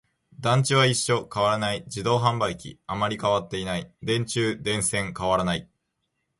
団地は一緒、変わらない。自動販売機、あまり変わっていない。電柱、電線、変わらない。